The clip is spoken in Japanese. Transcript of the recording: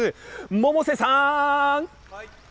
百瀬さん。